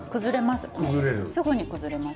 すぐに崩れます。